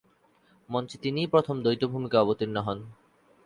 মঞ্চে তিনিই প্রথম দ্বৈত ভূমিকায় অবতীর্ণ হন।